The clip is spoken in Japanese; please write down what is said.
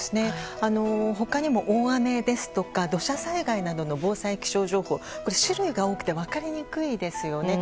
他にも大雨や土砂災害などの防災気象情報種類が多くて分かりにくいですよね。